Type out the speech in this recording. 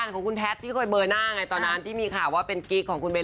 โปรดติดตามตอนหน้าคุณปัด